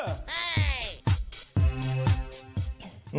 ใช่